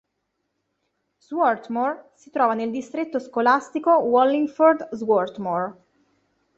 Swarthmore si trova nel distretto scolastico Wallingford-Swarthmore.